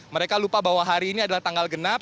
mereka lupa bahwa hari ini adalah tanggal genap